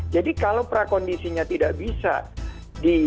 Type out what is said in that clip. jadi kalau prakondisinya tidak bisa ditetapkan